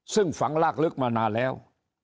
ซึ่งฝังลากลึกมานานแล้ว